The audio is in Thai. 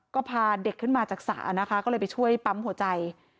ก็พาเด็กขึ้นมาจากสระนะคะก็เลยไปช่วยปั๊มหัวใจ